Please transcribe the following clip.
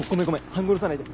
半殺さないで。